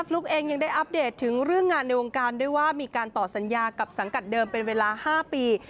ลุ๊กเองยังได้อัปเดตถึงเรื่องงานในวงการด้วยว่ามีการต่อสัญญากับสังกัดเดิมเป็นเวลา๕ปี